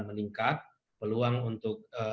meningkat peluang untuk